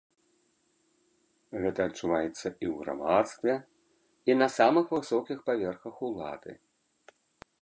Гэта адчуваецца і ў грамадстве, і на самых высокіх паверхах улады.